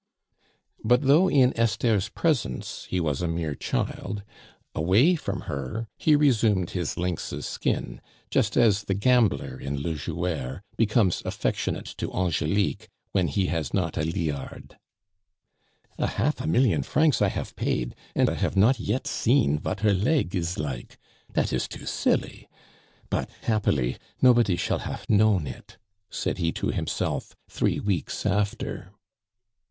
But though in Esther's presence he was a mere child, away from her he resumed his lynx's skin; just as the gambler (in le Joueur) becomes affectionate to Angelique when he has not a liard. "A half a million francs I hafe paid, and I hafe not yet seen vat her leg is like. Dat is too silly! but, happily, nobody shall hafe known it!" said he to himself three weeks after.